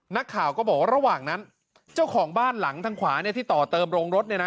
นักข่าวก็บอกว่าระหว่างนั้นเจ้าของบ้านหลังทางขวาเนี่ยที่ต่อเติมโรงรถเนี่ยนะ